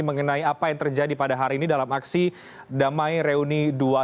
mengenai apa yang terjadi pada hari ini dalam aksi damai reuni dua ribu dua puluh